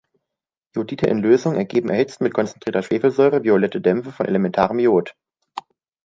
Iodide in Lösung ergeben, erhitzt mit konzentrierter Schwefelsäure, violette Dämpfe von elementarem Iod.